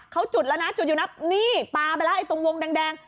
เขาจุดแล้วนะจุดอยู่นะนี่ปลาไปแล้วไอ้ตรงวงแดง